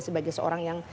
sebagai seorang yang